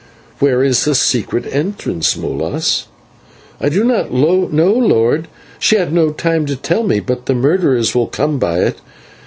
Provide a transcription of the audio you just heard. "Where is this secret entrance, Molas?" "I do not know, lord; she had no time to tell me, but the murderers will come by it.